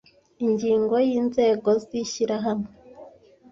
Ingingo y’ Inzego z ishyirahamwe